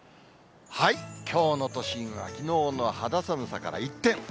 きょうの都心はきのうの肌寒さから一転。